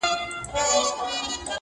د نورو هغې نيمه د انا دا يوه نيمه.